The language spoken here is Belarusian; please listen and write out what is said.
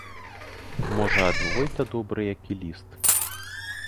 Можа, ад войта добры які ліст.